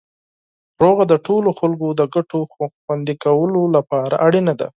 سوله د ټولو خلکو د ګټو خوندي کولو لپاره اړینه ده.